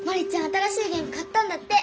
新しいゲーム買ったんだって。